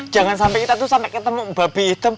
jangan sampai kita itu sampai ketemu babi hitam